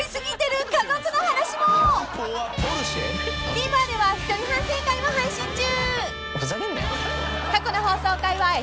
［ＴＶｅｒでは一人反省会も配信中］